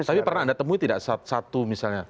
tapi pernah anda temui tidak satu misalnya